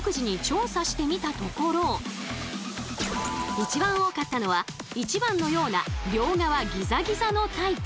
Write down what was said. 一番多かったのは１番のような両側ギザギザのタイプ。